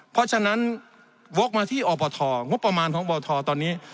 เพราะฉะนั้นวกมาที่อบทงบประมาณของบทตอนนี้